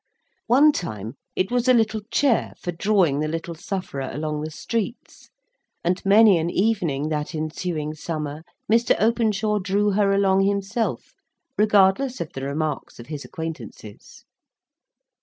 One time it was a little chair for drawing the little sufferer along the streets, and many an evening that ensuing summer Mr. Openshaw drew her along himself, regardless of the remarks of his acquaintances.